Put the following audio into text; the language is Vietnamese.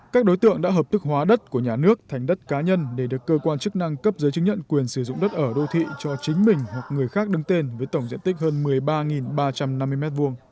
các đối tượng đã hợp thức hóa đất của nhà nước thành đất cá nhân để được cơ quan chức năng cấp giấy chứng nhận quyền sử dụng đất ở đô thị cho chính mình hoặc người khác đứng tên với tổng diện tích hơn một mươi ba ba trăm năm mươi m hai